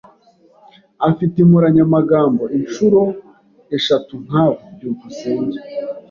Afite inkoranyamagambo inshuro eshatu nkawe. byukusenge